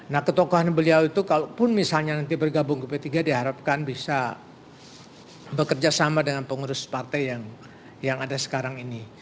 nah ketokohan beliau itu kalaupun misalnya nanti bergabung ke p tiga diharapkan bisa bekerja sama dengan pengurus partai yang ada sekarang ini